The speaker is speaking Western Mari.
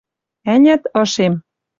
Ӓнят, ышем